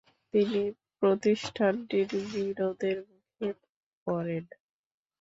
তিনি প্রতিষ্ঠানটির বিরোধের মুখে পরেন।